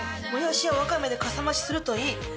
「モヤシやワカメでかさ増しするといい」